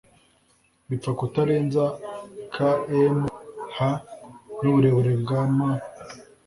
bipfa kutarenza km/h n' uburebure bwa m